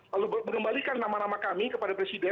lalu mengembalikan nama nama kami kepada presiden